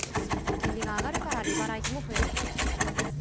金利が上がるから利払い費も増えるということなんですね。